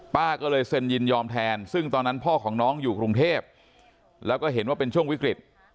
ป้าก็เลยเซ็นยินยอมแทนซึ่งตอนนั้นพ่อของน้องอยู่กรุงเทพแล้วก็เห็นว่าเป็นช่วงวิกฤต